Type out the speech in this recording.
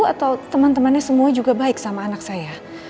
atau teman temannya semua juga baik sama anak saya